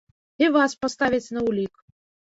І вас паставяць на ўлік.